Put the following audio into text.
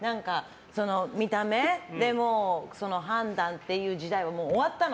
見た目で判断っていう時代はもう終わったの！